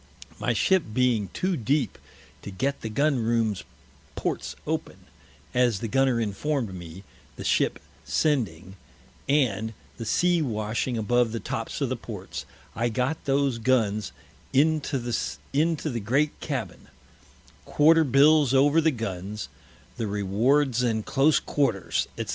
My Ship being too deep to get the Gun room Ports open, as the Gunner inform'd me, the Ship sending, and the Sea washing above the Tops of the Ports; I got those Guns into the Great Cabin; Quarter Bills over the Guns; the Rewards and Close quarters, _&c.